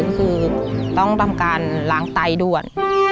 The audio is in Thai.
ก็คือต้องทำการหลังไตด้วย